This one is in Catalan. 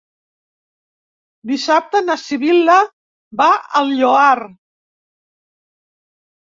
Dissabte na Sibil·la va al Lloar.